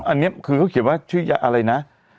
อันนี้คือเขาเขียนว่าชื่อยาอะไรนะ